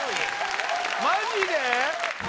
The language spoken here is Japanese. マジで？